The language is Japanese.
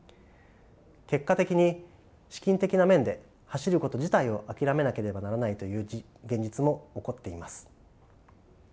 結果的に資金的な面で走ること自体を諦めなければならないという現実も起こっています。